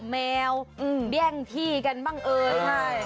เมลแดงที่กันบ้างเอ้ย